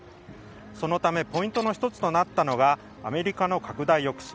そのためポイントの１つとなったのがアメリカの拡大抑止。